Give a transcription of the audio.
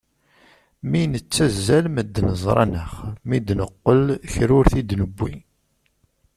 Mi nettazzal medden ẓran-aɣ, mi d-neqqel kra ur t-id-newwi.